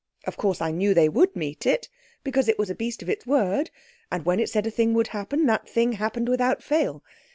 Of course I knew they would meet it, because it was a beast of its word, and when it said a thing would happen, that thing happened without fail.